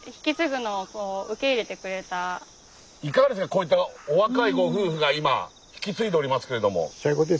こういったお若いご夫婦が今引き継いでおりますけれども。